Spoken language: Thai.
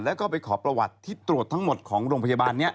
แล้วก็ไปขอประวัติที่ตรวจทั้งหมดของโรงพยาบาลนี้